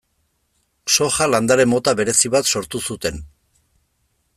Soja landare mota berezi bat sortu zuten.